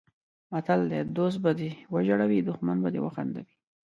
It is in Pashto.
متل دی: دوست به دې وژړوي دښمن به دې وخندوي.